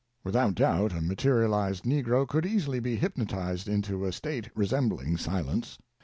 Without doubt a materialized negro could easily be hypnotized into a state resembling silence.